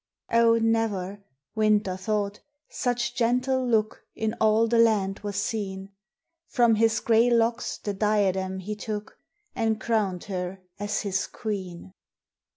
Oh, never Winter thought such gentle look In all the land was seen! From his gray locks the diadem he took And crowned her as his queen.